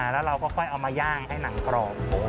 แล้วเราก็ค่อยเอามาย่างให้หนังกรอบ